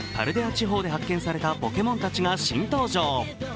地方で発見されたポケモンたちが新登場。